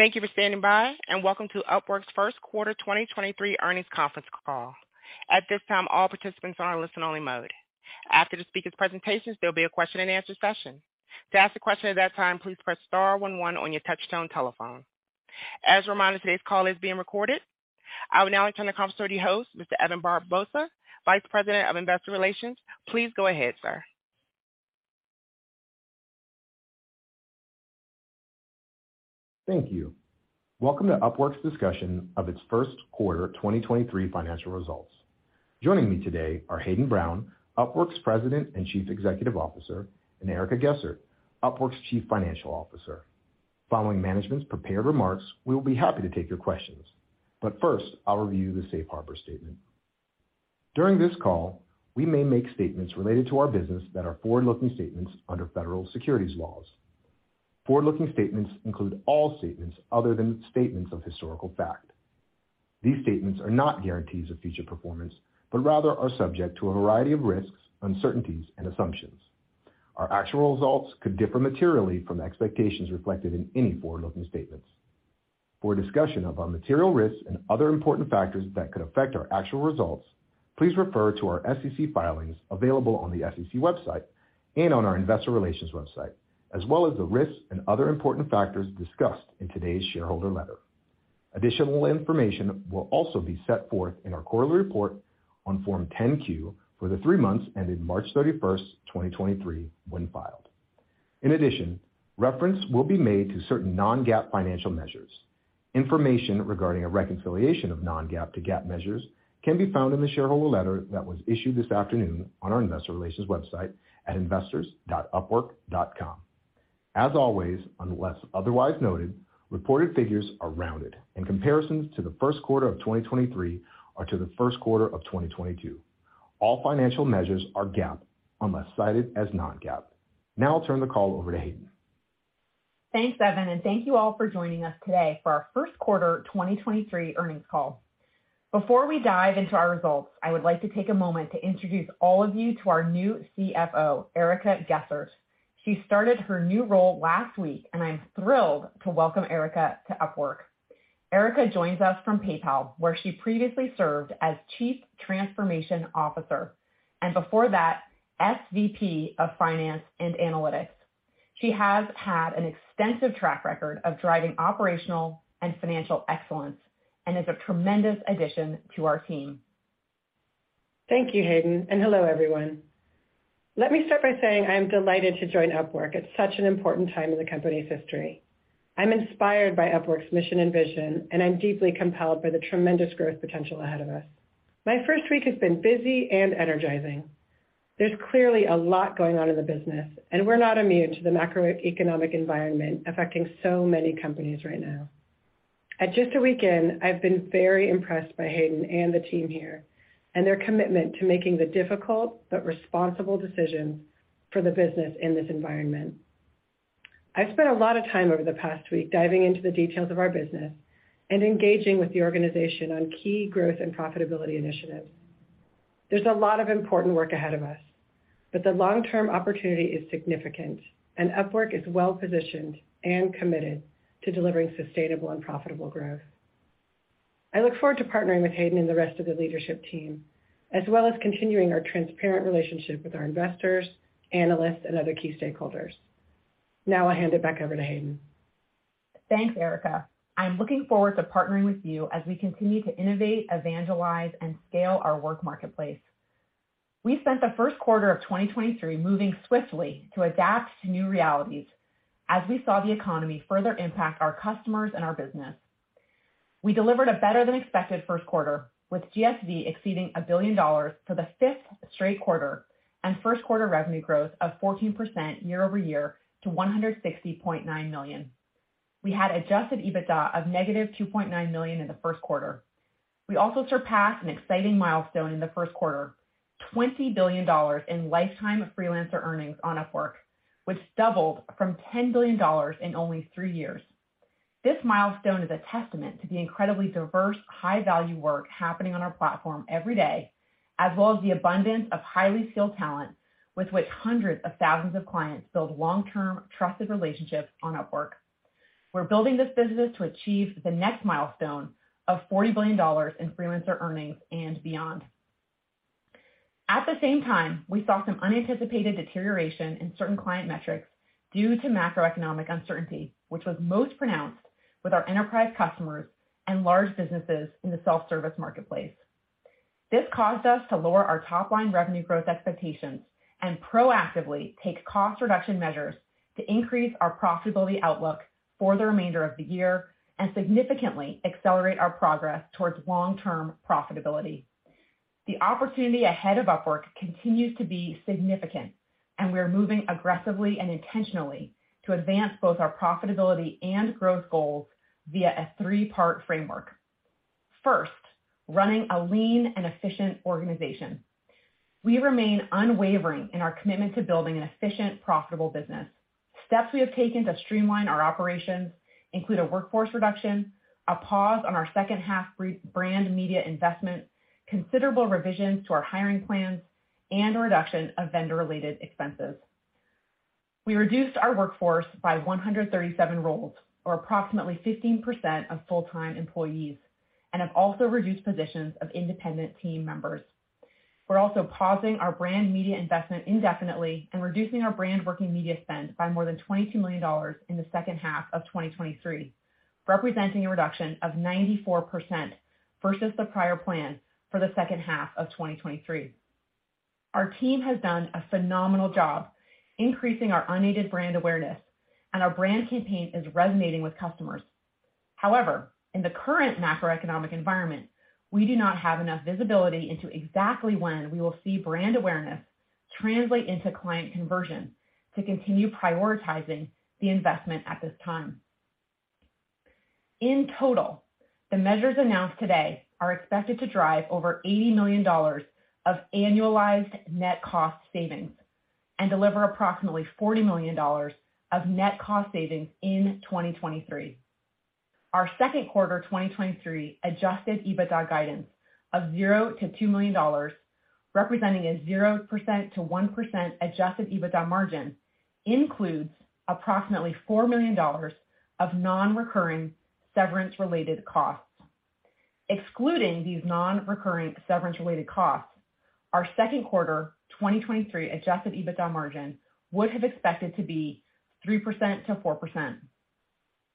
Thank you for standing by, welcome to Upwork's first quarter 2023 earnings conference call. At this time, all participants are on a listen-only mode. After the speaker's presentations, there'll be a question-and-answer session. To ask a question at that time, please press star one one on your touch-tone telephone. As a reminder, today's call is being recorded. I will now turn the conference over to your host, Mr. Evan Barbosa, Vice President of Investor Relations. Please go ahead, sir. Thank you. Welcome to Upwork's discussion of its first quarter 2023 financial results. Joining me today are Hayden Brown, Upwork's President and Chief Executive Officer, and Erica Gessert, Upwork's Chief Financial Officer. Following management's prepared remarks, we will be happy to take your questions. First, I'll review the safe harbor statement. During this call, we may make statements related to our business that are forward-looking statements under federal securities laws. Forward-looking statements include all statements other than statements of historical fact. These statements are not guarantees of future performance, but rather are subject to a variety of risks, uncertainties, and assumptions. Our actual results could differ materially from the expectations reflected in any forward-looking statements. For a discussion of our material risks and other important factors that could affect our actual results, please refer to our SEC filings available on the SEC website and on our investor relations website, as well as the risks and other important factors discussed in today's shareholder letter. Additional information will also be set forth in our quarterly report on form 10-Q for the 3 months ending March 31st, 2023, when filed. Reference will be made to certain non-GAAP financial measures. Information regarding a reconciliation of non-GAAP to GAAP measures can be found in the shareholder letter that was issued this afternoon on our investor relations website at investors.upwork.com. Unless otherwise noted, reported figures are rounded and comparisons to the first quarter of 2023 are to the first quarter of 2022. All financial measures are GAAP unless cited as non-GAAP. Now I'll turn the call over to Hayden. Thanks, Evan, and thank you all for joining us today for our first quarter 2023 earnings call. Before we dive into our results, I would like to take a moment to introduce all of you to our new CFO, Erica Gessert. She started her new role last week, and I'm thrilled to welcome Erica to Upwork. Erica joins us from PayPal, where she previously served as Chief Transformation Officer, and before that, SVP of Finance and Analytics. She has had an extensive track record of driving operational and financial excellence and is a tremendous addition to our team. Thank you, Hayden. Hello, everyone. Let me start by saying I am delighted to join Upwork at such an important time in the company's history. I'm inspired by Upwork's mission and vision, and I'm deeply compelled by the tremendous growth potential ahead of us. My first week has been busy and energizing. There's clearly a lot going on in the business, and we're not immune to the macroeconomic environment affecting so many companies right now. At just a weekend, I've been very impressed by Hayden and the team here and their commitment to making the difficult but responsible decisions for the business in this environment. I've spent a lot of time over the past week diving into the details of our business and engaging with the organization on key growth and profitability initiatives. There's a lot of important work ahead of us, but the long-term opportunity is significant, and Upwork is well-positioned and committed to delivering sustainable and profitable growth. I look forward to partnering with Hayden and the rest of the leadership team, as well as continuing our transparent relationship with our investors, analysts, and other key stakeholders. Now I'll hand it back over to Hayden. Thanks, Erica. I'm looking forward to partnering with you as we continue to innovate, evangelize, and scale our work marketplace. We spent the first quarter of 2023 moving swiftly to adapt to new realities as we saw the economy further impact our customers and our business. We delivered a better than expected first quarter, with GSV exceeding $1 billion for the fifth straight quarter and first quarter revenue growth of 14% year-over-year to $160.9 million. We had Adjusted EBITDA of negative $2.9 million in the first quarter. We also surpassed an exciting milestone in the first quarter, $20 billion in lifetime freelancer earnings on Upwork, which doubled from $10 billion in only three years. This milestone is a testament to the incredibly diverse, high-value work happening on our platform every day, as well as the abundance of highly skilled talent with which hundreds of thousands of clients build long-term, trusted relationships on Upwork. We're building this business to achieve the next milestone of $40 billion in freelancer earnings and beyond. At the same time, we saw some unanticipated deterioration in certain client metrics due to macroeconomic uncertainty, which was most pronounced with our enterprise customers and large businesses in the self-service marketplace. This caused us to lower our top-line revenue growth expectations and proactively take cost reduction measures to increase our profitability outlook for the remainder of the year and significantly accelerate our progress towards long-term profitability. The opportunity ahead of Upwork continues to be significant, and we are moving aggressively and intentionally to advance both our profitability and growth goals via a three-part framework. First, running a lean and efficient organization. We remain unwavering in our commitment to building an efficient, profitable business. Steps we have taken to streamline our operations include a workforce reduction, a pause on our second-half rebrand media investment, considerable revisions to our hiring plans, and a reduction of vendor-related expenses. We reduced our workforce by 137 roles, or approximately 15% of full-time employees, and have also reduced positions of independent team members. We're also pausing our brand media investment indefinitely and reducing our brand working media spend by more than $22 million in the second half of 2023, representing a reduction of 94% versus the prior plan for the second half of 2023. Our team has done a phenomenal job increasing our unaided brand awareness, and our brand campaign is resonating with customers. However, in the current macroeconomic environment, we do not have enough visibility into exactly when we will see brand awareness translate into client conversion to continue prioritizing the investment at this time. In total, the measures announced today are expected to drive over $80 million of annualized net cost savings and deliver approximately $40 million of net cost savings in 2023. Our 2Q 2023 Adjusted EBITDA guidance of $0-$2 million, representing a 0%-1% Adjusted EBITDA margin, includes approximately $4 million of non-recurring severance related costs. Excluding these non-recurring severance related costs, our 2Q 2023 Adjusted EBITDA margin would have expected to be 3%-4%.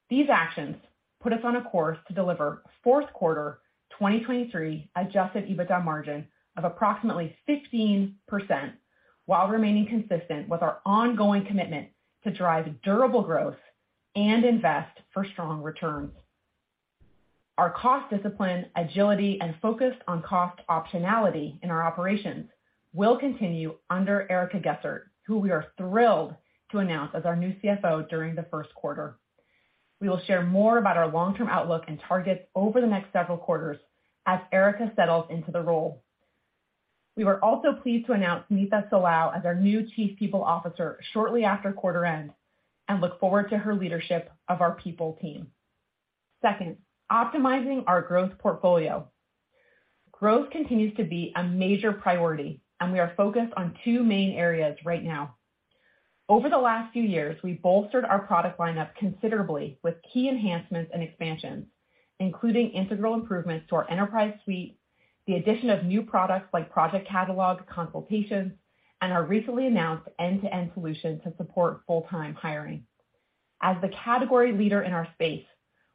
These actions put us on a course to deliver fourth quarter 2023 Adjusted EBITDA margin of approximately 15% while remaining consistent with our ongoing commitment to drive durable growth and invest for strong returns. Our cost discipline, agility, and focus on cost optionality in our operations will continue under Erica Gessert, who we are thrilled to announce as our new CFO during the first quarter. We will share more about our long-term outlook and targets over the next several quarters as Erica settles into the role. We were also pleased to announce Sunita Solao as our new Chief People Officer shortly after quarter end and look forward to her leadership of our people team. Second, optimizing our growth portfolio. Growth continues to be a major priority, and we are focused on two main areas right now. Over the last few years, we've bolstered our product lineup considerably with key enhancements and expansions, including integral improvements to our enterprise suite, the addition of new products like Project Catalog, consultations, and our recently announced end-to-end solution to support full-time hiring. As the category leader in our space,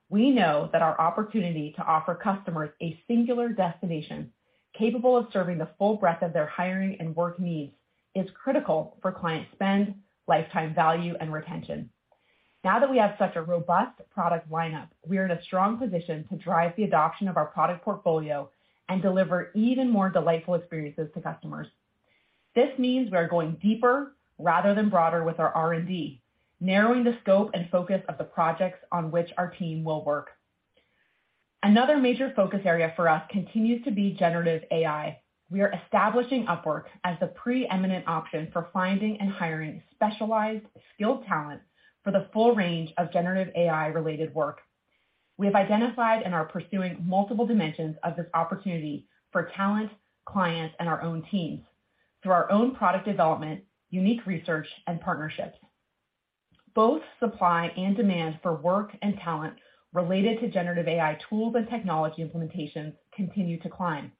we know that our opportunity to offer customers a singular destination capable of serving the full breadth of their hiring and work needs is critical for client spend, lifetime value, and retention. Now that we have such a robust product lineup, we are in a strong position to drive the adoption of our product portfolio and deliver even more delightful experiences to customers. This means we are going deeper rather than broader with our R&D, narrowing the scope and focus of the projects on which our team will work. Another major focus area for us continues to be generative AI. We are establishing Upwork as the preeminent option for finding and hiring specialized skilled talent for the full range of generative AI related work. We have identified and are pursuing multiple dimensions of this opportunity for talent, clients, and our own teams through our own product development, unique research, and partnerships. Both supply and demand for work and talent related to generative AI tools and technology implementations continue to climb.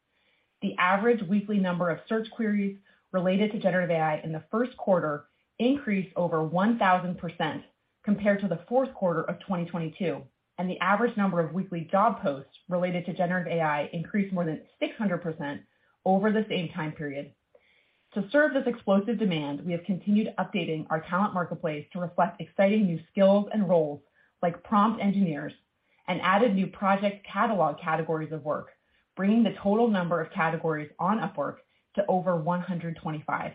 The average weekly number of search queries related to generative AI in the first quarter increased over 1,000% compared to the fourth quarter of 2022, and the average number of weekly job posts related to generative AI increased more than 600% over the same time period. To serve this explosive demand, we have continued updating our talent marketplace to reflect exciting new skills and roles like prompt engineers and added new Project Catalog categories of work, bringing the total number of categories on Upwork to over 125.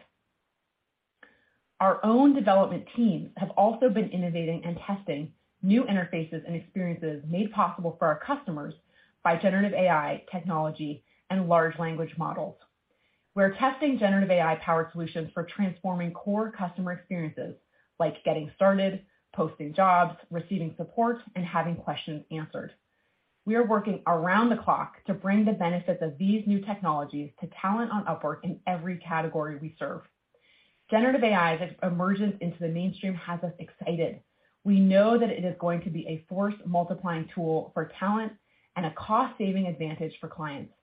Our own development teams have also been innovating and testing new interfaces and experiences made possible for our customers by generative AI technology and large language models. We're testing generative AI powered solutions for transforming core customer experiences like getting started, posting jobs, receiving support, and having questions answered. We are working around the clock to bring the benefits of these new technologies to talent on Upwork in every category we serve. Generative AI's emergence into the mainstream has us excited. We know that it is going to be a force multiplying tool for talent and a cost saving advantage for clients.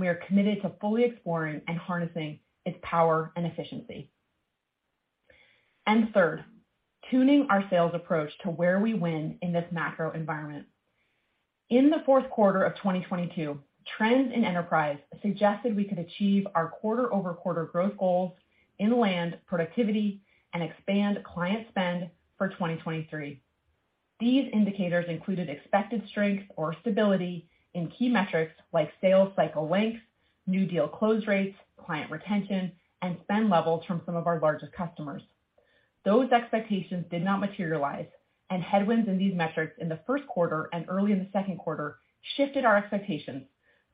We are committed to fully exploring and harnessing its power and efficiency. Third, tuning our sales approach to where we win in this macro environment. In the fourth quarter of 2022, trends in enterprise suggested we could achieve our quarter-over-quarter growth goals in land productivity and expand client spend for 2023. These indicators included expected strength or stability in key metrics like sales cycle length, new deal close rates, client retention, and spend levels from some of our largest customers. Those expectations did not materialize. Headwinds in these metrics in the first quarter and early in the second quarter shifted our expectations.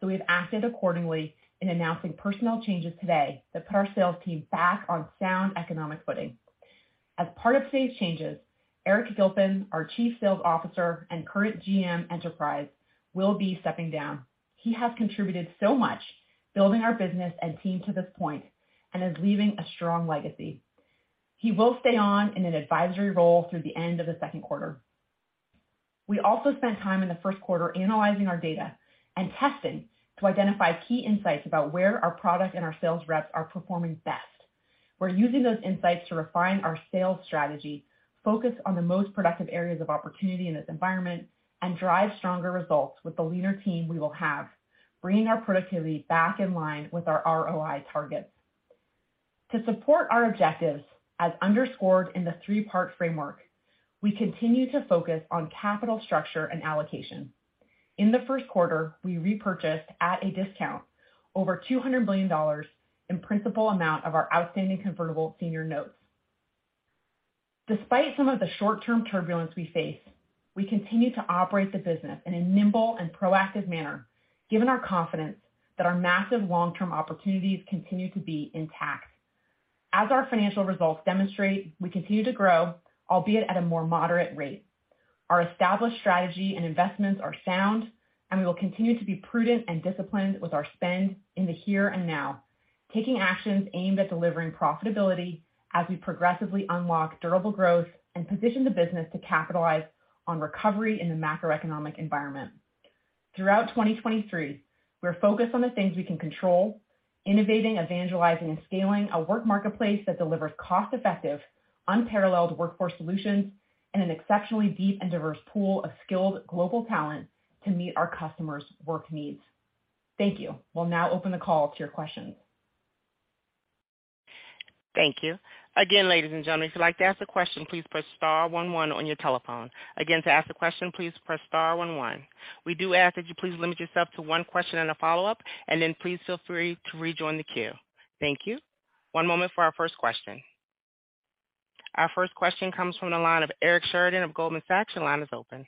We've acted accordingly in announcing personnel changes today that put our sales team back on sound economic footing. As part of today's changes, Eric Gilpin, our Chief Sales Officer and current GM, Enterprise, will be stepping down. He has contributed so much. Building our business and team to this point and is leaving a strong legacy. He will stay on in an advisory role through the end of the second quarter. We also spent time in the first quarter analyzing our data and testing to identify key insights about where our product and our sales reps are performing best. We're using those insights to refine our sales strategy, focus on the most productive areas of opportunity in this environment, and drive stronger results with the leaner team we will have, bringing our productivity back in line with our ROI targets. To support our objectives, as underscored in the three-part framework, we continue to focus on capital structure and allocation. In the first quarter, we repurchased at a discount over $200 million in principal amount of our outstanding convertible senior notes. Despite some of the short-term turbulence we face, we continue to operate the business in a nimble and proactive manner, given our confidence that our massive long-term opportunities continue to be intact. As our financial results demonstrate, we continue to grow, albeit at a more moderate rate. Our established strategy and investments are sound, and we will continue to be prudent and disciplined with our spend in the here and now, taking actions aimed at delivering profitability as we progressively unlock durable growth and position the business to capitalize on recovery in the macroeconomic environment. Throughout 2023, we're focused on the things we can control, innovating, evangelizing, and scaling a work marketplace that delivers cost-effective, unparalleled workforce solutions and an exceptionally deep and diverse pool of skilled global talent to meet our customers' work needs. Thank you. We'll now open the call to your questions. Thank you. Again, ladies and gentlemen, if you'd like to ask a question, please press star one one on your telephone. Again, to ask a question, please press star one one. We do ask that you please limit yourself to one question and a follow-up, and then please feel free to rejoin the queue. Thank you. One moment for our first question. Our first question comes from the line of Eric Sheridan of Goldman Sachs. Your line is open.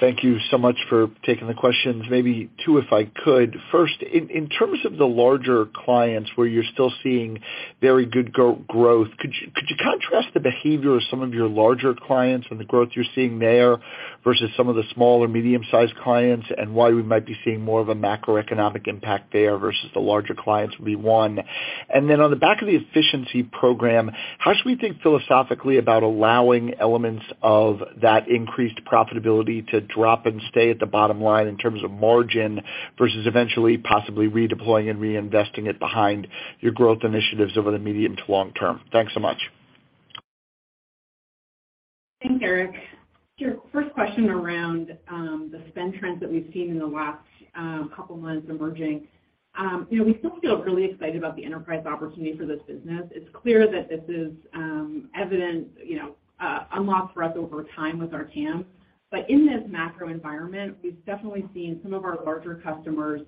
Thank you so much for taking the questions. Maybe two if I could. First, in terms of the larger clients where you're still seeing very good growth, could you contrast the behavior of some of your larger clients and the growth you're seeing there versus some of the small or medium-sized clients and why we might be seeing more of a macroeconomic impact there versus the larger clients would be one. Then on the back of the efficiency program, how should we think philosophically about allowing elements of that increased profitability to drop and stay at the bottom line in terms of margin versus eventually possibly redeploying and reinvesting it behind your growth initiatives over the medium to long term? Thanks so much. Thanks, Eric. Sure. First question around the spend trends that we've seen in the last couple months emerging. You know, we still feel really excited about the enterprise opportunity for this business. It's clear that this is evident, you know, unlocks for us over time with our TAM. In this macro environment, we've definitely seen some of our larger customers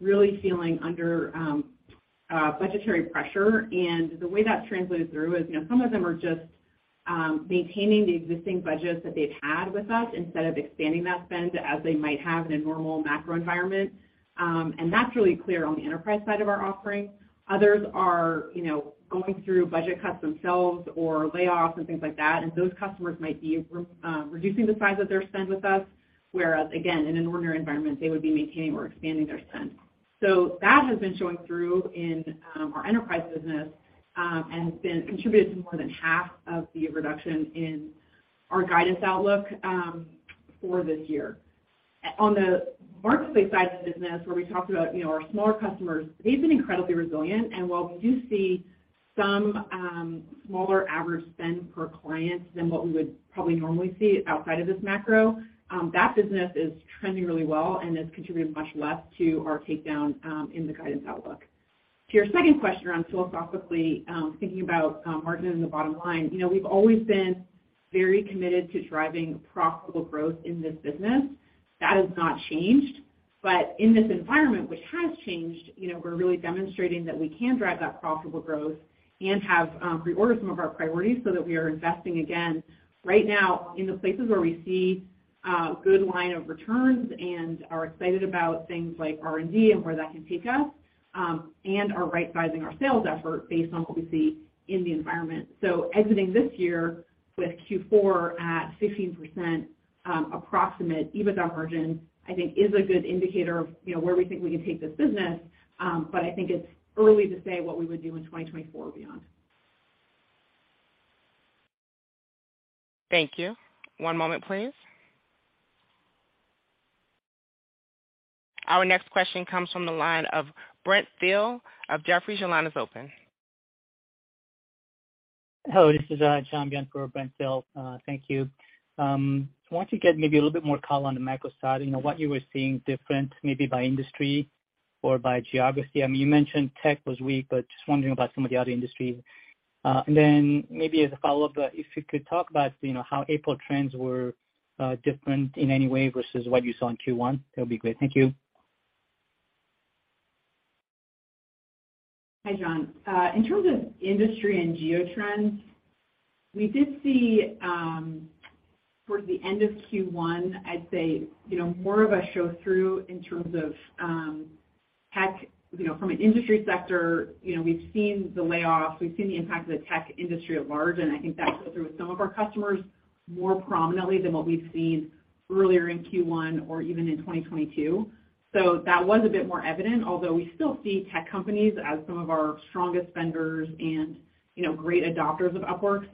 really feeling under budgetary pressure. The way that's translated through is, you know, some of them are just maintaining the existing budgets that they've had with us instead of expanding that spend as they might have in a normal macro environment. That's really clear on the enterprise side of our offering. Others are, you know, going through budget cuts themselves or layoffs and things like that, and those customers might be reducing the size of their spend with us, whereas again, in an ordinary environment, they would be maintaining or expanding their spend. That has been showing through in our enterprise business and has been contributed to more than half of the reduction in our guidance outlook for this year. On the marketplace side of the business where we talked about, you know, our smaller customers, they've been incredibly resilient. While we do see some smaller average spend per client than what we would probably normally see outside of this macro, that business is trending really well and has contributed much less to our takedown in the guidance outlook. To your second question around philosophically, thinking about margin and the bottom line. You know, we've always been very committed to driving profitable growth in this business. That has not changed. In this environment, which has changed, you know, we're really demonstrating that we can drive that profitable growth and have reorder some of our priorities so that we are investing again right now in the places where we see good line of returns and are excited about things like R&D and where that can take us, and are rightsizing our sales effort based on what we see in the environment. Exiting this year with Q4 at 15% approximate EBITDA margin, I think is a good indicator of, you know, where we think we can take this business.I think it's early to say what we would do in 2024 beyond. Thank you. One moment please. Our next question comes from the line of Brent Thill of Jefferies. Your line is open. Hello, this is John Byun for Brent Thill. Thank you. I want to get maybe a little bit more color on the macro side and what you were seeing different, maybe by industry or by geography. I mean, you mentioned tech was weak, but just wondering about some of the other industries. Maybe as a follow-up, if you could talk about, you know, how April trends were different in any way versus what you saw in Q1, that'd be great. Thank you. Hi, John. In terms of industry and geo trends, we did see, towards the end of Q1, I'd say, you know, more of a show through in terms of tech, you know, from an industry sector. You know, we've seen the layoffs, we've seen the impact of the tech industry at large, and I think that's show through with some of our customers. More prominently than what we've seen earlier in Q1 or even in 2022. That was a bit more evident, although we still see tech companies as some of our strongest vendors and, you know, great adopters of Upwork.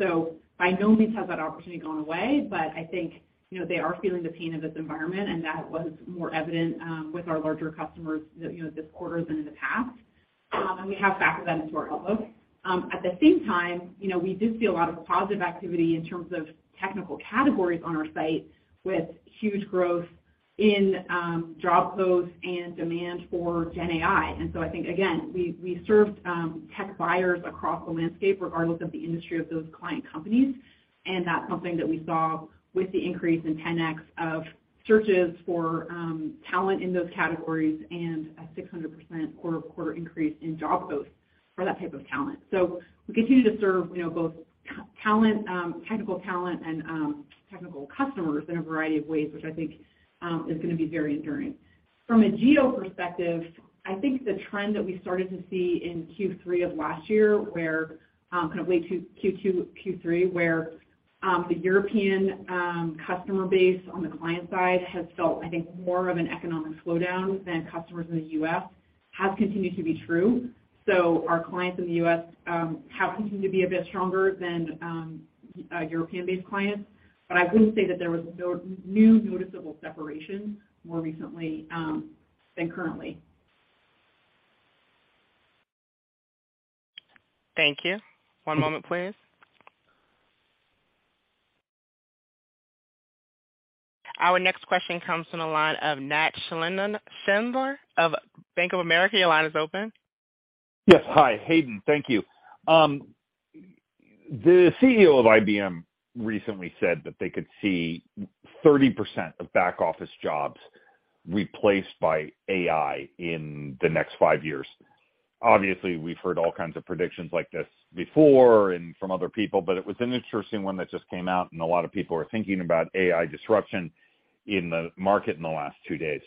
By no means has that opportunity gone away, but I think, you know, they are feeling the pain of this environment, and that was more evident, with our larger customers, you know, this quarter than in the past. We have factor that into our outlook. At the same time, you know, we do see a lot of positive activity in terms of technical categories on our site with huge growth in job posts and demand for GenAI. I think, again, we served tech buyers across the landscape regardless of the industry of those client companies. That's something that we saw with the increase in 10X of searches for talent in those categories and a 600% quarter-over-quarter increase in job posts for that type of talent. We continue to serve, you know, both talent, technical talent and technical customers in a variety of ways, which I think is gonna be very enduring. From a geo perspective, I think the trend that we started to see in Q3 of last year, where the European customer base on the client side has felt, I think, more of an economic slowdown than customers in the US, has continued to be true. Our clients in the US have continued to be a bit stronger than European-based clients. I wouldn't say that there was no new noticeable separation more recently than currently. Thank you. One moment please. Our next question comes from the line of Nat Schindler of Bank of America. Your line is open. Yes. Hi, Hayden. Thank you. The CEO of IBM recently said that they could see 30% of back-office jobs replaced by AI in the next 5 years. Obviously, we've heard all kinds of predictions like this before and from other people, but it was an interesting one that just came out, and a lot of people are thinking about AI disruption in the market in the last 2 days.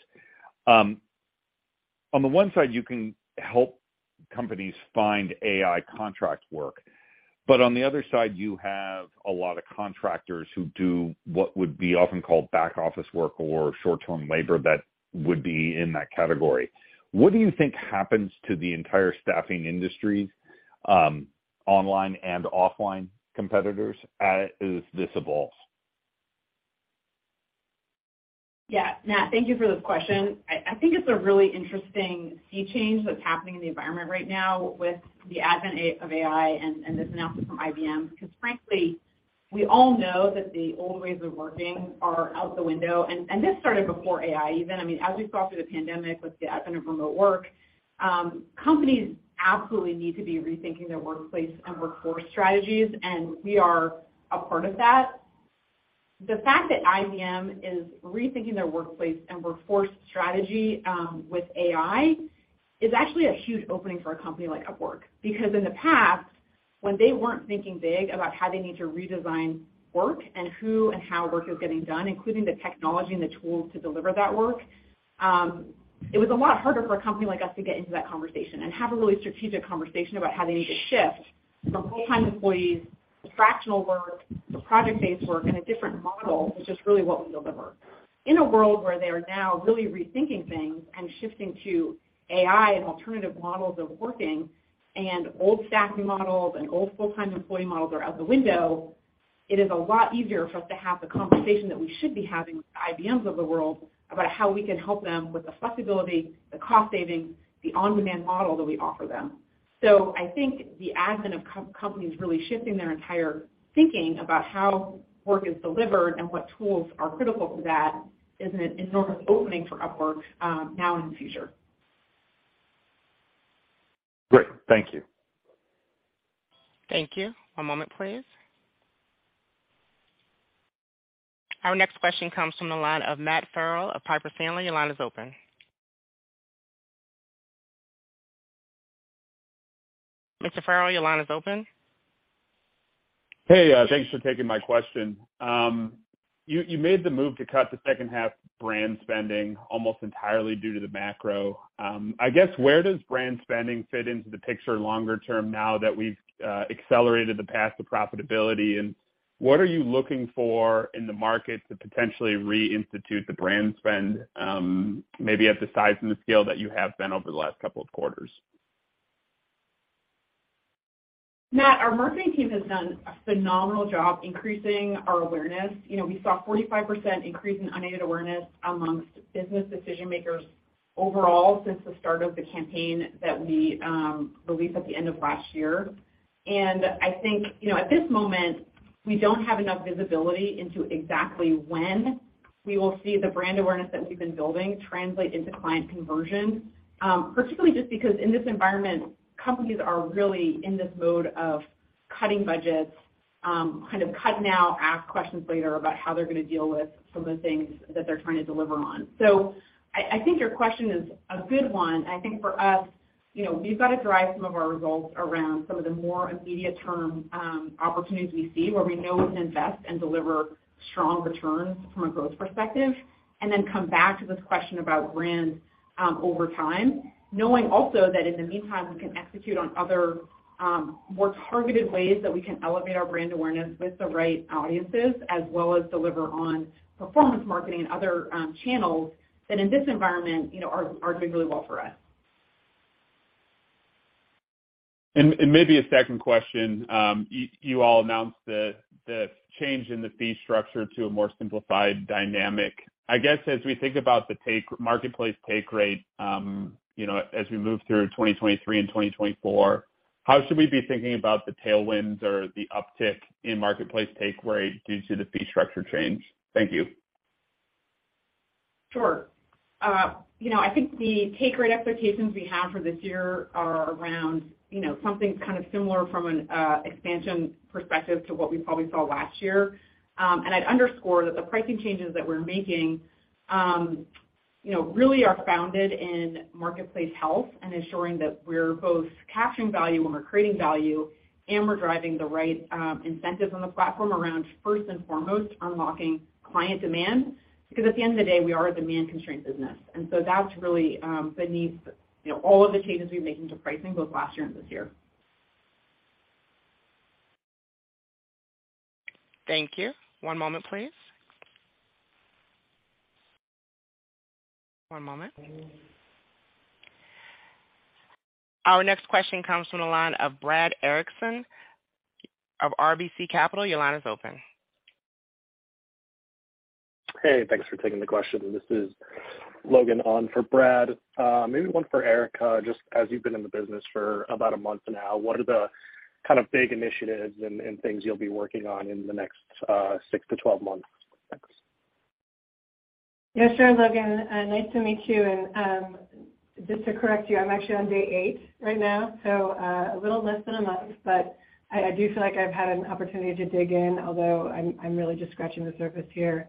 On the one side, you can help companies find AI contract work, but on the other side, you have a lot of contractors who do what would be often called back-office work or short-term labor that would be in that category. What do you think happens to the entire staffing industry, online and offline competitors as this evolves? Yeah. Nat, thank you for this question. I think it's a really interesting sea change that's happening in the environment right now with the advent of AI and this announcement from IBM. Frankly, we all know that the old ways of working are out the window. This started before AI even. I mean, as we saw through the pandemic with the advent of remote work, companies absolutely need to be rethinking their workplace and workforce strategies, and we are a part of that. The fact that IBM is rethinking their workplace and workforce strategy with AI is actually a huge opening for a company like Upwork. In the past, when they weren't thinking big about how they need to redesign work and who and how work is getting done, including the technology and the tools to deliver that work, it was a lot harder for a company like us to get into that conversation and have a really strategic conversation about how they need to shift from full-time employees to fractional work to project-based work in a different model, which is really what we deliver. In a world where they are now really rethinking things and shifting to AI and alternative models of working and old staffing models and old full-time employee models are out the window, it is a lot easier for us to have the conversation that we should be having with the IBMs of the world about how we can help them with the flexibility, the cost savings, the on-demand model that we offer them. I think the advent of co-companies really shifting their entire thinking about how work is delivered and what tools are critical to that is an enormous opening for Upwork, now and the future. Great. Thank you. Thank you. One moment, please. Our next question comes from the line of Matt Farrell of Piper Sandler. Your line is open. Mr. Farrell, your line is open. Hey, thanks for taking my question. You made the move to cut the second half brand spending almost entirely due to the macro. I guess where does brand spending fit into the picture longer term now that we've accelerated the path to profitability? What are you looking for in the market to potentially reinstitute the brand spend, maybe at the size and the scale that you have been over the last couple of quarters? Matt, our marketing team has done a phenomenal job increasing our awareness. You know, we saw 45% increase in unaided awareness amongst business decision-makers overall since the start of the campaign that we released at the end of last year. I think, you know, at this moment, we don't have enough visibility into exactly when we will see the brand awareness that we've been building translate into client conversion. Particularly just because in this environment, companies are really in this mode of cutting budgets, kind of cut now, ask questions later about how they're gonna deal with some of the things that they're trying to deliver on. I think your question is a good one. I think for us, you know, we've got to drive some of our results around some of the more immediate term, opportunities we see where we know we can invest and deliver strong returns from a growth perspective and then come back to this question about brands, over time, knowing also that in the meantime, we can execute on other, more targeted ways that we can elevate our brand awareness with the right audiences, as well as deliver on performance marketing and other, channels that in this environment, you know, are doing really well for us. Maybe a second question. You all announced the change in the fee structure to a more simplified dynamic. I guess, as we think about the marketplace take rate, you know, as we move through 2023 and 2024, how should we be thinking about the tailwinds or the uptick in marketplace take rate due to the fee structure change? Thank you. Sure. you know, I think the take rate expectations we have for this year are around, you know, something kind of similar from an expansion perspective to what we probably saw last year. I'd underscore that the pricing changes that we're making, you know, really are founded in marketplace health and ensuring that we're both capturing value when we're creating value, and we're driving the right incentives on the platform around, first and foremost, unlocking client demand. Because at the end of the day, we are a demand-constrained business. That's really, beneath, you know, all of the changes we've made into pricing both last year and this year. Thank you. One moment, please. One moment. Our next question comes from the line of Brad Erickson of RBC Capital. Your line is open. Hey, thanks for taking the question. This is Logan on for Brad. Maybe one for Erica, just as you've been in the business for about a month now, what are the kind of big initiatives and things you'll be working on in the next 6-12 months? Thanks. Yeah, sure, Logan. Nice to meet you. Just to correct you, I'm actually on day 8 right now, a little less than a month, but I do feel like I've had an opportunity to dig in, although I'm really just scratching the surface here.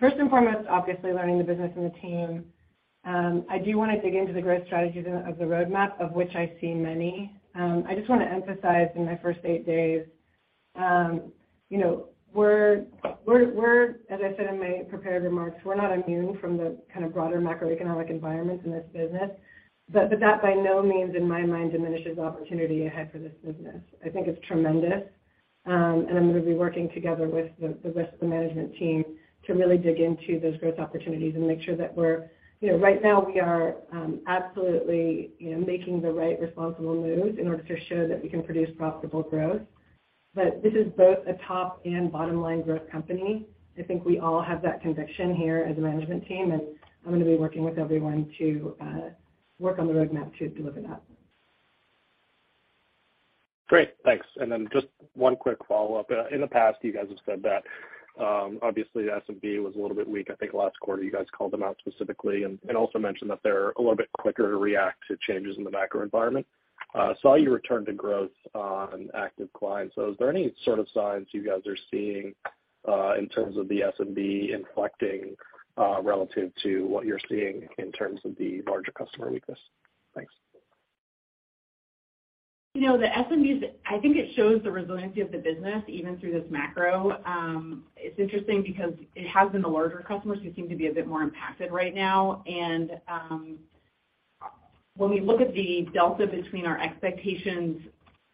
First and foremost, obviously learning the business and the team. I do wanna dig into the growth strategies of the roadmap, of which I see many. I just wanna emphasize in my first 8 days, you know, as I said in my prepared remarks, we're not immune from the kind of broader macroeconomic environments in this business, but that by no means, in my mind, diminishes the opportunity ahead for this business. I think it's tremendous. I'm gonna be working together with the rest of the management team to really dig into those growth opportunities and make sure that we're. You know, right now we are, absolutely, you know, making the right responsible moves in order to show that we can produce profitable growth. This is both a top and bottom-line growth company. I think we all have that conviction here as a management team, and I'm gonna be working with everyone to work on the roadmap to deliver that. Great. Thanks. Then just one quick follow-up. In the past, you guys have said that, obviously the SMB was a little bit weak. I think last quarter you guys called them out specifically and also mentioned that they're a little bit quicker to react to changes in the macro environment. Saw you return to growth on active clients. Is there any sort of signs you guys are seeing, in terms of the SMB inflecting, relative to what you're seeing in terms of the larger customer weakness? Thanks. You know, the SMBs, I think it shows the resiliency of the business even through this macro. It's interesting because it has been the larger customers who seem to be a bit more impacted right now. When we look at the delta between our expectations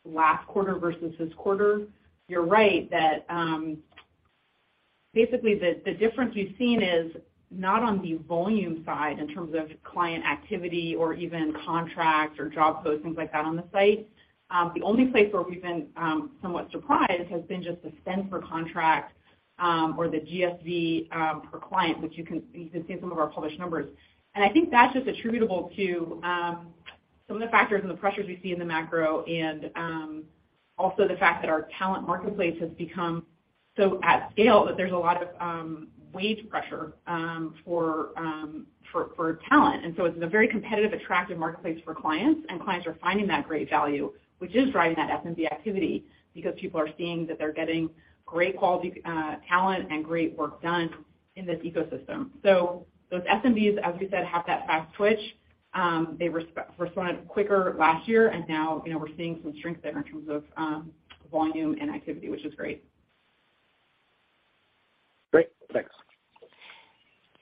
last quarter versus this quarter, you're right that basically the difference we've seen is not on the volume side in terms of client activity or even contracts or job posts, things like that on the site. The only place where we've been somewhat surprised has been just the spend per contract or the GSV per client, which you can see in some of our published numbers. I think that's just attributable to some of the factors and the pressures we see in the macro and also the fact that our talent marketplace has become so at scale that there's a lot of wage pressure for talent. It's a very competitive, attractive marketplace for clients, and clients are finding that great value, which is driving that SMB activity because people are seeing that they're getting great quality talent and great work done in this ecosystem. Those SMBs, as we said, have that fast twitch. They responded quicker last year, and now, you know, we're seeing some strength there in terms of volume and activity, which is great. Great. Thanks.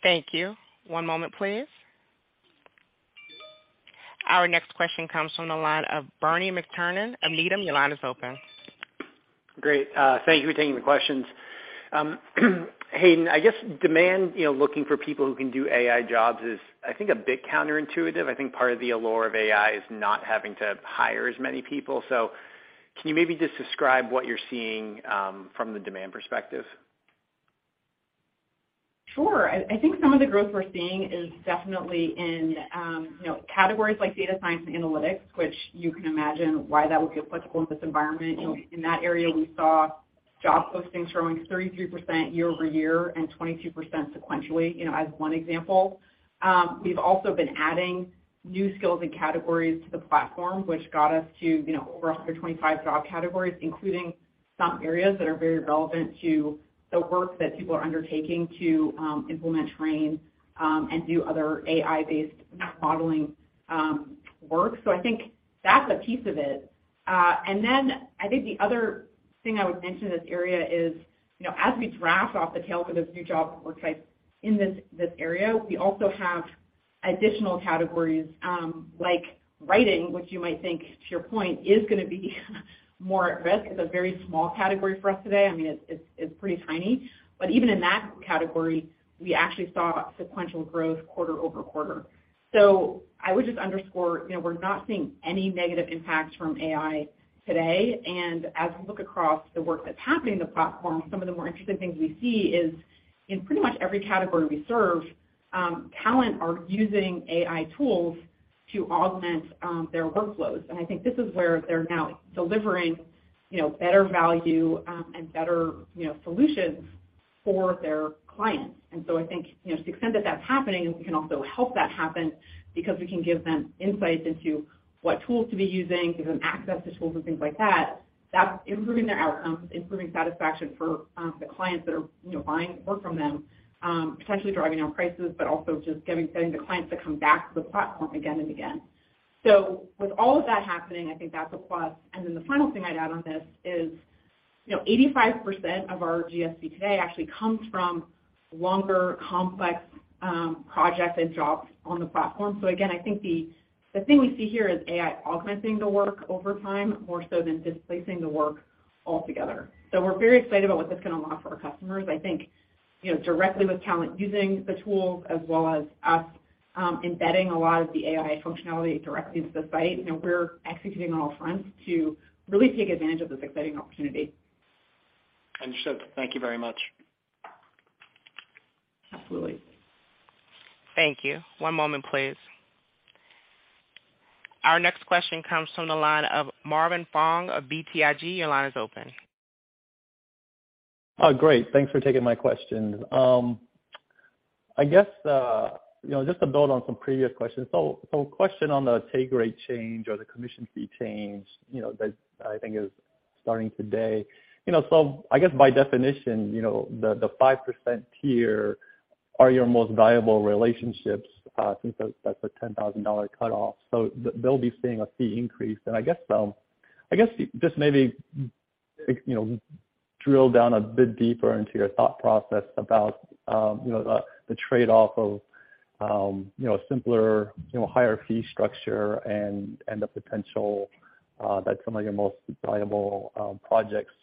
Thank you. One moment, please. Our next question comes from the line of Bernie McTernan of Needham. Your line is open. Great. Thank you for taking the questions. Hayden, I guess demand, you know, looking for people who can do AI jobs is, I think, a bit counterintuitive. I think part of the allure of AI is not having to hire as many people. Can you maybe just describe what you're seeing from the demand perspective? Sure. I think some of the growth we're seeing is definitely in, you know, categories like data science and analytics, which you can imagine why that would be applicable in this environment. You know, in that area, we saw job postings growing 33% year-over-year and 22% sequentially, you know, as 1 example. We've also been adding new skills and categories to the platform, which got us to, you know, over 125 job categories, including some areas that are very relevant to the work that people are undertaking to implement training and do other AI-based modeling. Work. I think that's a piece of it. Then I think the other thing I would mention in this area is, you know, as we draft off the tail for those new jobs and work sites in this area, we also have additional categories, like writing, which you might think to your point is gonna be more at risk. It's a very small category for us today. I mean, it's pretty tiny. Even in that category, we actually saw sequential growth quarter-over-quarter. I would just underscore, you know, we're not seeing any negative impacts from AI today. As we look across the work that's happening in the platform, some of the more interesting things we see is in pretty much every category we serve, talent are using AI tools to augment their workflows. I think this is where they're now delivering, you know, better value, and better, you know, solutions for their clients. I think, you know, to the extent that that's happening, and we can also help that happen because we can give them insights into what tools to be using, give them access to tools and things like that's improving their outcomes, improving satisfaction for the clients that are, you know, buying work from them, potentially driving down prices, but also just getting the clients to come back to the platform again and again. With all of that happening, I think that's a plus. The final thing I'd add on this is, you know, 85% of our GSV today actually comes from longer, complex, projects and jobs on the platform. Again, I think the thing we see here is AI augmenting the work over time more so than displacing the work altogether. We're very excited about what this can unlock for our customers. I think, you know, directly with talent using the tools as well as us, embedding a lot of the AI functionality directly into the site. You know, we're executing on all fronts to really take advantage of this exciting opportunity. Understood. Thank you very much. Absolutely. Thank you. One moment, please. Our next question comes from the line of Marvin Fong of BTIG. Your line is open. Oh, great. Thanks for taking my question. I guess, you know, just to build on some previous questions. Question on the take rate change or the commission fee change, you know, that I think is starting today. You know, so I guess by definition, you know, the 5% tier are your most valuable relationships, since that's a $10,000 cutoff. They'll be seeing a fee increase. I guess, I guess just maybe, you know, drill down a bit deeper into your thought process about, you know, the trade-off of, you know, simpler, you know, higher fee structure and the potential, that some of your most valuable, projects,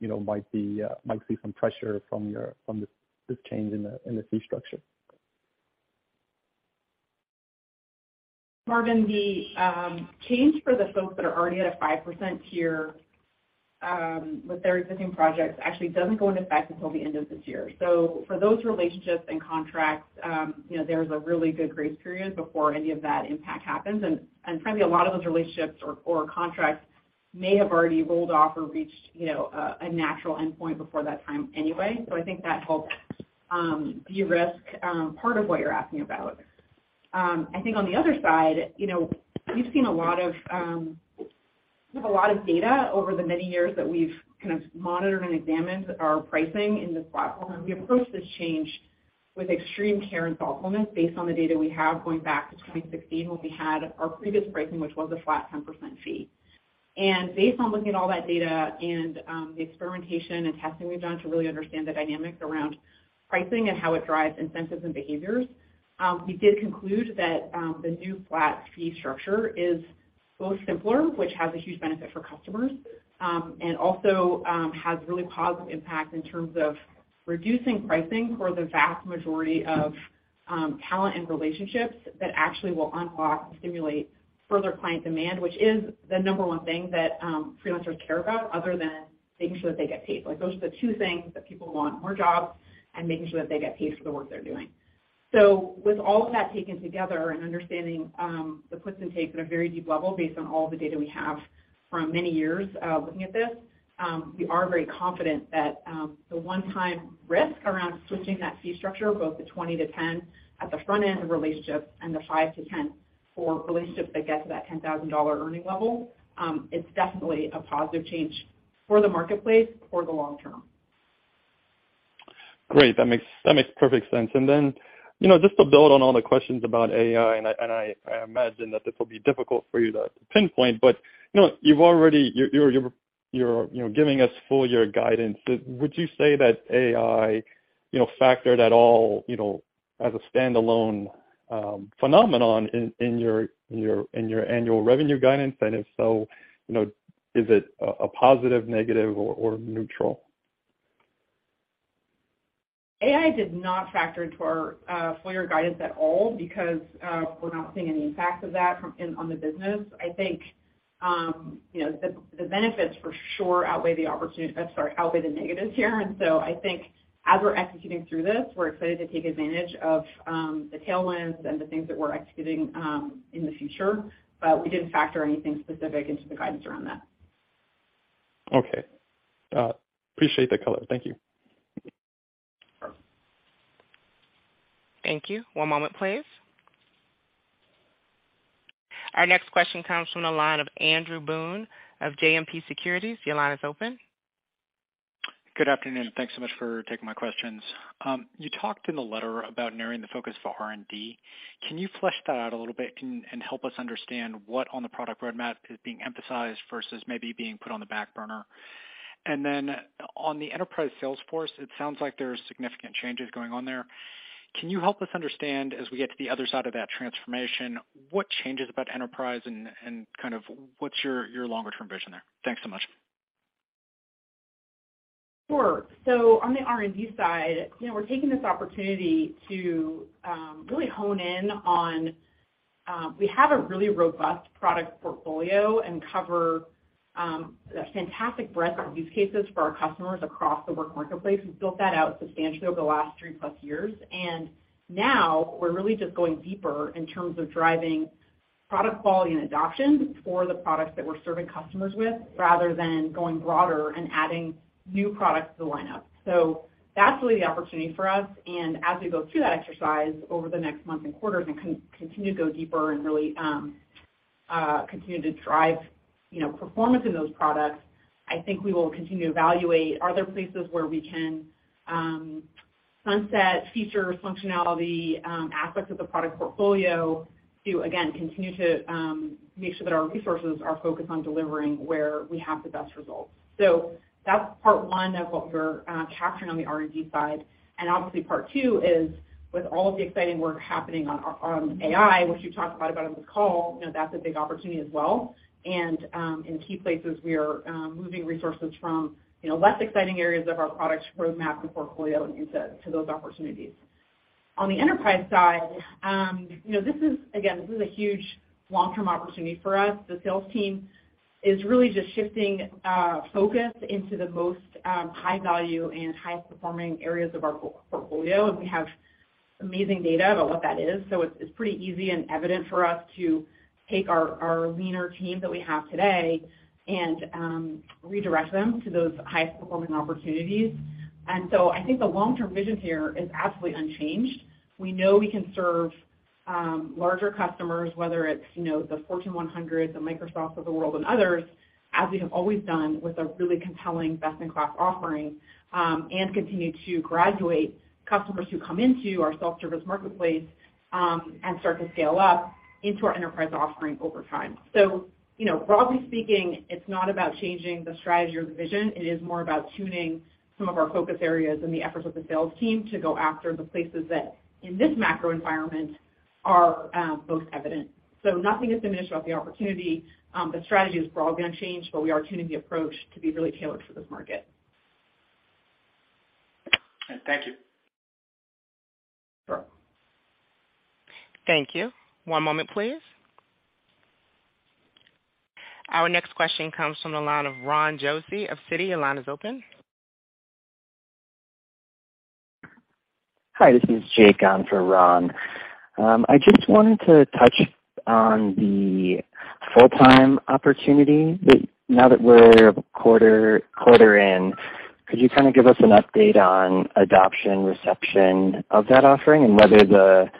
you know, might be, might see some pressure from this change in the fee structure. Marvin, the change for the folks that are already at a 5% tier, with their existing projects actually doesn't go into effect until the end of this year. For those relationships and contracts, you know, there's a really good grace period before any of that impact happens. Frankly, a lot of those relationships or contracts may have already rolled off or reached, you know, a natural endpoint before that time anyway. I think that helps de-risk part of what you're asking about. I think on the other side, you know, we've seen a lot of, we have a lot of data over the many years that we've kind of monitored and examined our pricing in this platform. We approached this change with extreme care and thoughtfulness based on the data we have going back to 2016 when we had our previous pricing, which was a flat 10% fee. Based on looking at all that data and the experimentation and testing we've done to really understand the dynamics around pricing and how it drives incentives and behaviors, we did conclude that the new flat fee structure is both simpler, which has a huge benefit for customers, and also has really positive impact in terms of reducing pricing for the vast majority of talent and relationships that actually will unlock and stimulate further client demand, which is the number one thing that freelancers care about other than making sure that they get paid. Like, those are the two things that people want, more jobs and making sure that they get paid for the work they're doing. With all of that taken together and understanding the puts and takes at a very deep level based on all the data we have from many years of looking at this, we are very confident that the one-time risk around switching that fee structure, both the 20 to 10 at the front end of relationships and the 5 to 10 for relationships that get to that $10,000 earning level, it's definitely a positive change for the marketplace for the long term. Great. That makes perfect sense. you know, just to build on all the questions about AI, and I imagine that this will be difficult for you to pinpoint, but, you know, you're, you know, giving us full year guidance. Would you say that AI, you know, factored at all, you know, as a standalone phenomenon in your annual revenue guidance? If so, you know, is it a positive, negative or neutral? AI did not factor into our full year guidance at all because we're not seeing any impact of that on the business. I think, you know, the benefits for sure outweigh the negatives here. I think as we're executing through this, we're excited to take advantage of the tailwinds and the things that we're executing in the future. We didn't factor anything specific into the guidance around that. Okay. Appreciate the color. Thank you. Thank you. One moment, please. Our next question comes from the line of Andrew Boone of JMP Securities. Your line is open. Good afternoon. Thanks so much for taking my questions. You talked in the letter about narrowing the focus for R&D. Can you flesh that out a little bit and help us understand what on the product roadmap is being emphasized versus maybe being put on the back burner? Then on the Enterprise sales force, it sounds like there's significant changes going on there. Can you help us understand, as we get to the other side of that transformation, what changes about Enterprise and kind of what's your longer-term vision there? Thanks so much. Sure. On the R&D side, you know, we're taking this opportunity to really hone in on, we have a really robust product portfolio and cover a fantastic breadth of use cases for our customers across the Work marketplace. We've built that out substantially over the last 3-plus years, now we're really just going deeper in terms of driving product quality and adoption for the products that we're serving customers with rather than going broader and adding new products to the lineup. That's really the opportunity for us, and as we go through that exercise over the next month and quarters and continue to go deeper and really, continue to drive, you know, performance in those products, I think we will continue to evaluate are there places where we can sunset features, functionality, aspects of the product portfolio to again, continue to make sure that our resources are focused on delivering where we have the best results. That's part one of what we're capturing on the R&D side. Obviously part two is with all of the exciting work happening on AI, which we've talked quite about on this call, you know, that's a big opportunity as well. In key places we are moving resources from, you know, less exciting areas of our product roadmap and portfolio into, to those opportunities. On the enterprise side, you know, this is, again, this is a huge long-term opportunity for us. The sales team is really just shifting focus into the most high value and high performing areas of our portfolio, and we have amazing data about what that is. It's pretty easy and evident for us to take our leaner team that we have today and redirect them to those highest performing opportunities. I think the long-term vision here is absolutely unchanged. We know we can serve, larger customers, whether it's, you know, the Fortune 100, the Microsoft of the world and others, as we have always done with a really compelling best-in-class offering, and continue to graduate customers who come into our self-service marketplace, and start to scale up into our enterprise offering over time. You know, broadly speaking, it's not about changing the strategy or the vision. It is more about tuning some of our focus areas and the efforts of the sales team to go after the places that in this macro environment are most evident. Nothing has been initial about the opportunity. The strategy is broadly unchanged, but we are tuning the approach to be really tailored for this market. Thank you. Sure. Thank you. One moment, please. Our next question comes from the line of Ron Josey of Citi. Your line is open. Hi, this is Jake on for Ron. I just wanted to touch on the full-time opportunity that now that we're a quarter in, could you kind of give us an update on adoption reception of that offering and whether the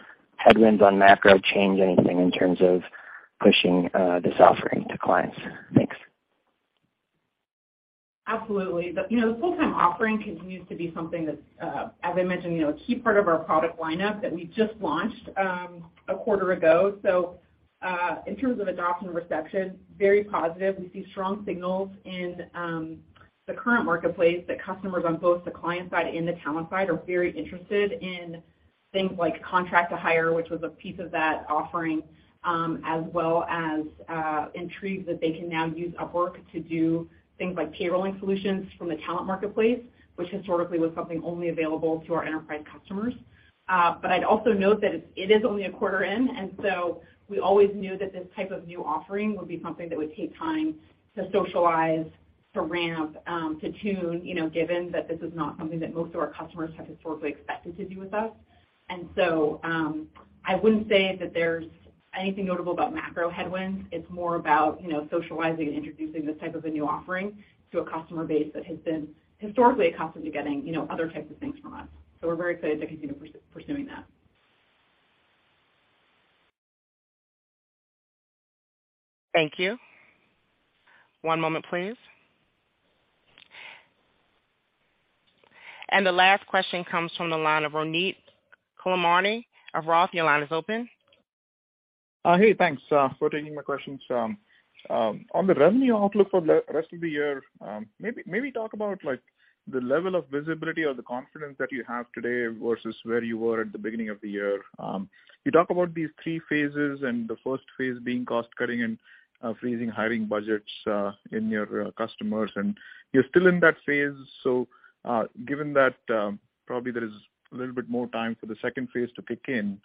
headwinds on macro change anything in terms of pushing this offering to clients? Thanks. Absolutely. The, you know, the full-time offering continues to be something that's, as I mentioned, you know, a key part of our product lineup that we just launched, a quarter ago. In terms of adoption reception, very positive. We see strong signals in the current marketplace that customers on both the client side and the talent side are very interested in things like contract-to-hire, which was a piece of that offering, as well as, intrigued that they can now use Upwork to do things like payrolling solutions from the talent marketplace, which historically was something only available to our enterprise customers. I'd also note that it's, it is only a quarter in, and so we always knew that this type of new offering would be something that would take time to socialize, to ramp, to tune, you know, given that this is not something that most of our customers have historically expected to do with us. I wouldn't say that there's anything notable about macro headwinds. It's more about, you know, socializing and introducing this type of a new offering to a customer base that has been historically accustomed to getting, you know, other types of things from us. We're very excited to continue pursuing that. Thank you. One moment, please. The last question comes from the line of Rohit Kulkarni of Roth. Your line is open. Hey, thanks for taking my questions. On the revenue outlook for the rest of the year, maybe talk about like the level of visibility or the confidence that you have today versus where you were at the beginning of the year. You talk about these three phases and the first phase being cost cutting and freezing hiring budgets in your customers, and you're still in that phase. Given that, probably there is a little bit more time for the second phase to kick in,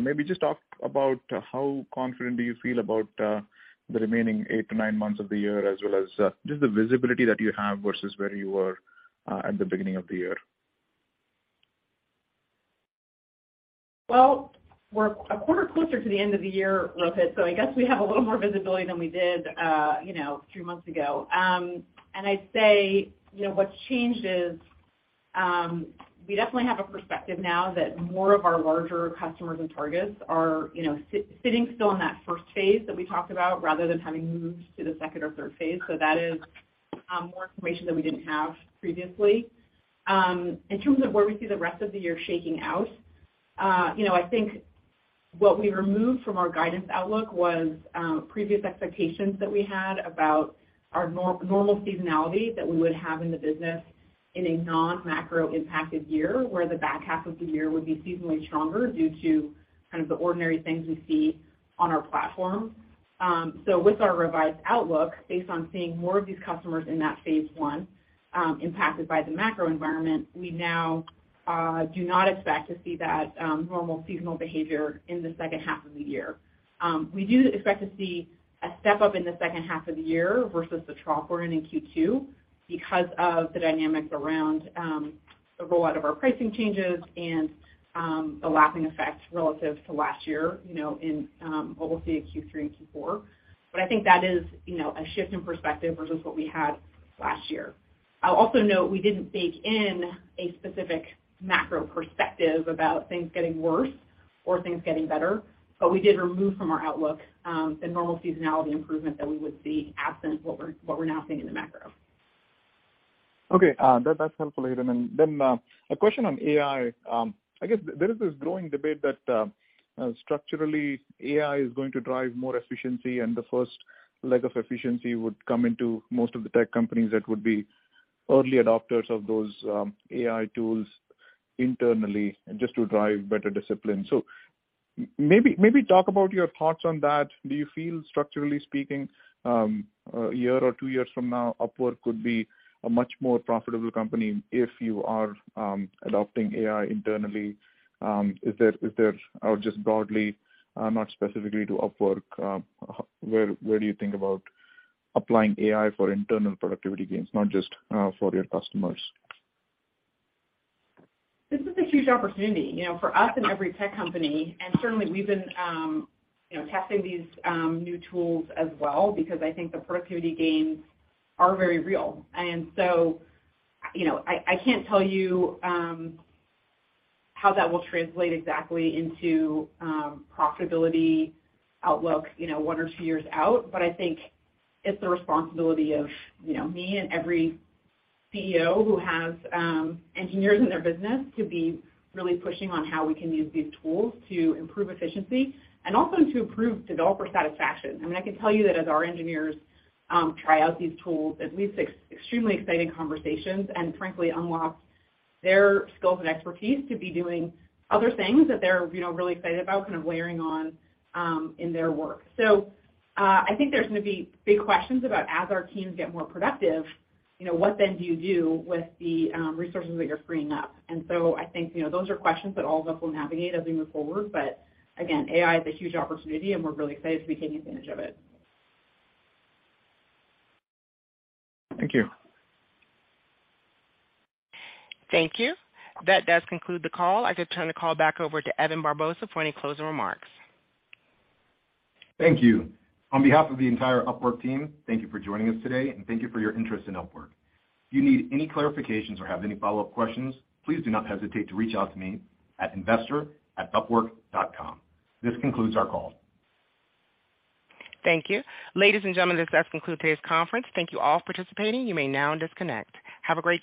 maybe just talk about how confident do you feel about the remaining 8-9 months of the year, as well as just the visibility that you have versus where you were at the beginning of the year. Well, we're a quarter closer to the end of the year, Ronit, I guess we have a little more visibility than we did, you know, 3 months ago. I'd say, you know, what's changed is, we definitely have a perspective now that more of our larger customers and targets are, you know, sitting still in that first phase that we talked about rather than having moved to the second or third phase. That is more information that we didn't have previously. In terms of where we see the rest of the year shaking out, you know, I think what we removed from our guidance outlook was previous expectations that we had about our normal seasonality that we would have in the business in a non-macro impacted year, where the back half of the year would be seasonally stronger due to kind of the ordinary things we see on our platform. With our revised outlook, based on seeing more of these customers in that phase one, impacted by the macro environment, we now do not expect to see that normal seasonal behavior in the second half of the year. We do expect to see a step-up in the second half of the year versus the trough we're in in Q2 because of the dynamics around the rollout of our pricing changes and the lapping effect relative to last year, you know, in what we'll see in Q3 and Q4. I think that is, you know, a shift in perspective versus what we had last year. I'll also note we didn't bake in a specific macro perspective about things getting worse or things getting better, but we did remove from our outlook the normal seasonality improvement that we would see absent what we're now seeing in the macro. Okay. That's helpful, Hayden. Then, a question on AI. I guess there is this growing debate that structurally, AI is going to drive more efficiency, and the first leg of efficiency would come into most of the tech companies that would be early adopters of those AI tools internally just to drive better discipline. Maybe talk about your thoughts on that. Do you feel structurally speaking, a year or 2 years from now, Upwork could be a much more profitable company if you are adopting AI internally? Is there... Or just broadly, not specifically to Upwork, where do you think about applying AI for internal productivity gains, not just for your customers? This is a huge opportunity, you know, for us and every tech company. Certainly we've been, you know, testing these new tools as well because I think the productivity gains are very real. You know, I can't tell you how that will translate exactly into profitability outlook, you know, one or two years out. I think it's the responsibility of, you know, me and every CEO who has engineers in their business to be really pushing on how we can use these tools to improve efficiency and also to improve developer satisfaction. I mean, I can tell you that as our engineers try out these tools, it leads to extremely exciting conversations and frankly unlocks their skills and expertise to be doing other things that they're, you know, really excited about kind of layering on in their work. I think there's going to be big questions about as our teams get more productive, you know, what then do you do with the resources that you're freeing up? I think, you know, those are questions that all of us will navigate as we move forward. AI is a huge opportunity, and we're really excited to be taking advantage of it. Thank you. Thank you. That does conclude the call. I could turn the call back over to Evan Barbosa for any closing remarks. Thank you. On behalf of the entire Upwork team, thank you for joining us today, and thank you for your interest in Upwork. If you need any clarifications or have any follow-up questions, please do not hesitate to reach out to me at investor@upwork.com. This concludes our call. Thank you. Ladies and gentlemen, this does conclude today's conference. Thank you all for participating. You may now disconnect. Have a great day.